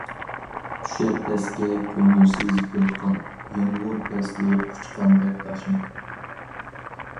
چۈشەر پەسكە كۆڭۈلسىز يوتقان، يامغۇر پەسلى قۇچقاندەك تاشنى.